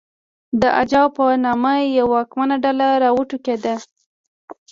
د اجاو په نامه یوه واکمنه ډله راوټوکېده